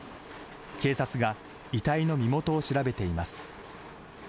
警察が遺体の身元を調べています。